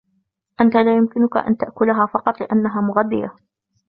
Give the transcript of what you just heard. أنتَ لا يمكنك أن تأكلها فقط لأنها مغذية.